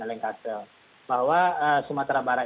helen castel bahwa sumatera barat